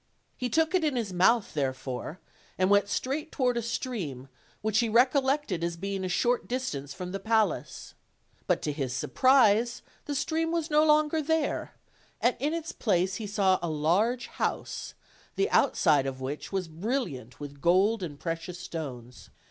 He took it in his mouth therefore, and went straight toward a stream which he recollected as being at a short distance from the palace. But to his surprise the stream was no longer there, and in its place he saw a large house, the outside of which was brilliant with gold and precious stones.